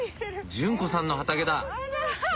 潤子さんの畑だ。